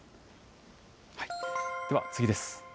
では次です。